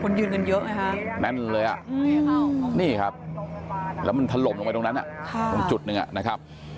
ยืนกันเยอะไงฮะแน่นเลยอ่ะนี่ครับแล้วมันถล่มลงไปตรงนั้นตรงจุดหนึ่งนะครับ